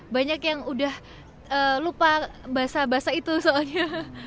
banyak yang udah lupa bahasa bahasa itu soalnya